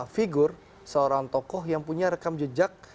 figur seorang tokoh yang punya rekam jejak